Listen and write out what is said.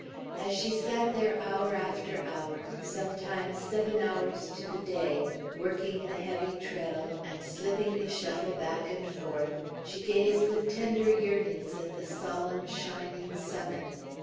As she sat there hour after hour, sometimes seven hours to the day, working the heavy treadle, and slipping the shuttle back and forth, she gazed with tender yearnings at the solemn, shining summit.